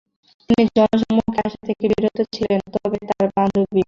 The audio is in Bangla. তিনি জনসম্মুখে আসা থেকে বিরত ছিলেন তবে তাঁর বান্ধবী ও